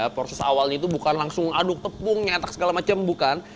proses awalnya itu bukan langsung mengaduk tepungnya tak segala macam bukan